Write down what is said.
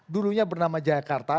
dulunya bernama jakarta